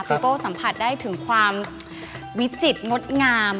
โก้สัมผัสได้ถึงความวิจิตรงดงาม